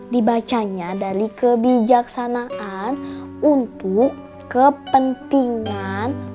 dibacanya dari kebijaksanaan untuk kepentingan